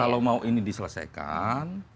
kalau mau ini diselesaikan